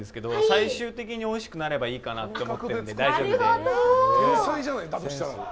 最終的においしくなればいいかなって思ってるんで大丈夫です。